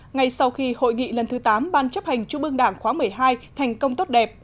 ngay sau khi hội nghị lần thứ tám ban chấp hành trung ương đảng khóa một mươi hai thành công tốt đẹp